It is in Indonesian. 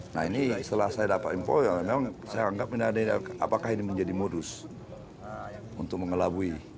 nah ini setelah saya dapat info ya memang saya anggap apakah ini menjadi modus untuk mengelabui